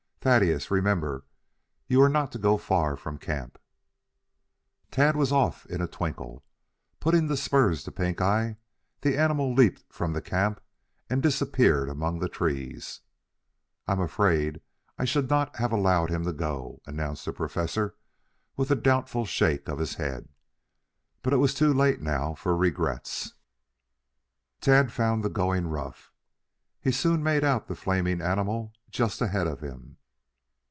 Thaddeus, remember, you are not to go far from camp." Tad was off in a twinkle. Putting the spurs to Pink eye, the animal leaped from the camp and disappeared among the trees. "I am afraid I should not have allowed him to go," announced the Professor, with a doubtful shake of his head. But it was too late now for regrets. Tad found the going rough. He soon made out the flaming animal just ahead of him.